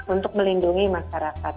untuk melindungi masyarakat